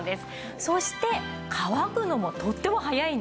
そして乾くのもとっても早いんです。